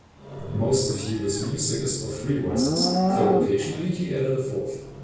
Most of Hugo's music is for three voices, though occasionally he added a fourth.